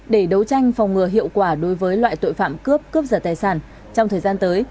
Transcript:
để đấu tranh phòng ngừa hiệu quả đối với loại tội phạm cướp cướp giật tài sản trong thời gian tới